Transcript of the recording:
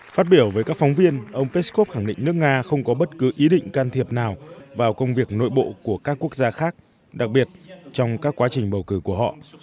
phát biểu với các phóng viên ông peskov khẳng định nước nga không có bất cứ ý định can thiệp nào vào công việc nội bộ của các quốc gia khác đặc biệt trong các quá trình bầu cử của họ